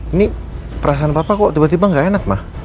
ini perasaan papa kok tiba tiba gak enak ma